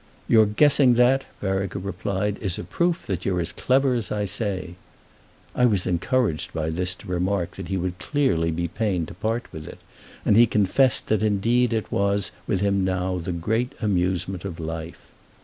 "Your guessing that," Vereker replied, "is a proof that you're as clever as I say!" I was encouraged by this to remark that he would clearly be pained to part with it, and he confessed that it was indeed with him now the great amusement of life.